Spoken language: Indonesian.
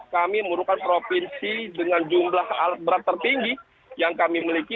kami merupakan provinsi dengan jumlah alat berat tertinggi yang kami miliki